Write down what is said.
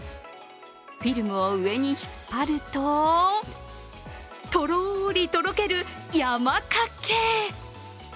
フィルムを上に引っ張るととろりとろける山かけ。